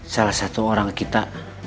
salah satu orang kita